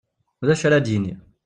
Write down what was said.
D acu ara d-yini!